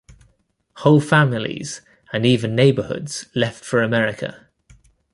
Whole families and even neighborhoods left for America.